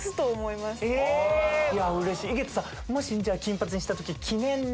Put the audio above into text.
井桁さんじゃあ金髪にした時。